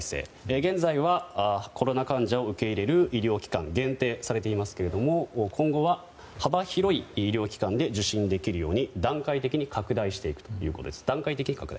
現在はコロナ患者を受け入れる医療機関は限定されていますが今後は、幅広い医療機関で受診できるように段階的に拡大していくということです。